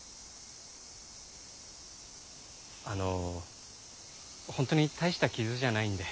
あのホントに大した傷じゃないんで。